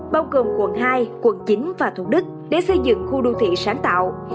bao gồm quận hai quận chín và thủ đức để xây dựng khu đô thị sáng tạo